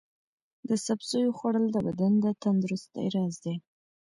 د سبزیو خوړل د بدن د تندرستۍ راز دی.